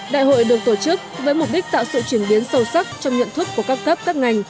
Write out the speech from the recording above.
đại hội được tổ chức với mục đích tạo sự chuyển biến sâu sắc trong nhận thức của các cấp các ngành